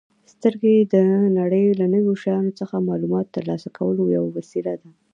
سترګې د نړۍ له ټولو شیانو څخه د معلوماتو ترلاسه کولو یوه وسیله ده.